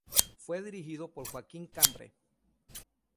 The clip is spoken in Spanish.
Fue dirigido por Joaquín Cambre.